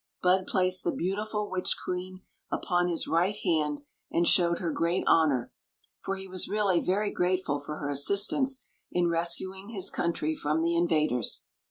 Bud placed the beautifu^ witch queen upon his right hand and showed her great honor, for he was really very grateful for her assistance in rescuing his coun try from the invaders.